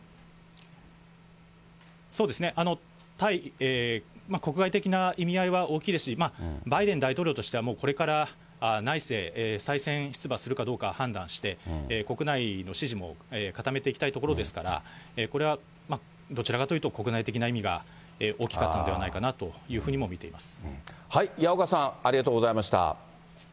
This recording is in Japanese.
そうですね、対、国外的な意味合いは大きいですし、バイデン大統領としてはもう、これから内政、再選出馬するかどうか判断して、国内の支持も固めていきたいところですから、これはどちらかというと、国内的な意味が大きかったのではないかなというふうにも見ていま矢岡さん、ありがとうございました。